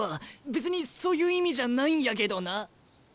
別にそういう意味じゃないんやけどな。